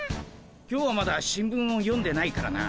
今日はまだ新聞を読んでないからな。